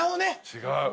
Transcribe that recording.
違う。